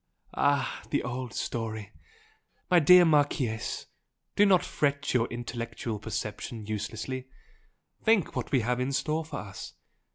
"Ah! The old story! My dear Marchese, do not fret your intellectual perception uselessly! Think what we have in store for us!